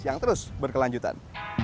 yang terus berkelanjutan